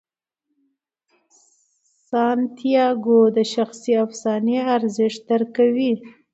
سانتیاګو د شخصي افسانې ارزښت درک کوي.